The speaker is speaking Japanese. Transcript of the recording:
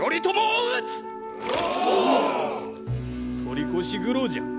取り越し苦労じゃ。